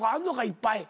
いっぱい。